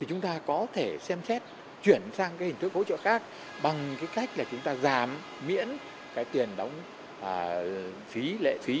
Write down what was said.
chúng ta có thể xem xét chuyển sang hình thức hỗ trợ khác bằng cách là chúng ta giảm miễn tiền đóng lệ phí